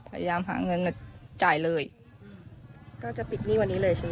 พยายามหาเงินจ่ายเลยก็จะปิดหนี้วันนี้เลยใช่ไหม